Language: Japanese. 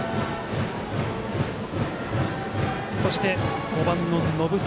そして、５番の延末。